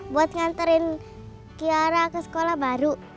buat nganterin kiara ke sekolah baru